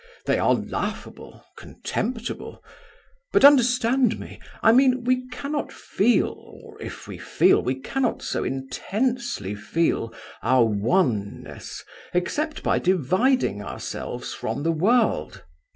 They are laughable, contemptible. But understand me. I mean, we cannot feel, or if we feel we cannot so intensely feel, our oneness, except by dividing ourselves from the world."